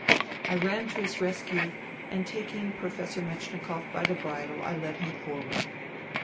I ran to his rescue, and taking Professor Metchni koff by the bridle I led him forward.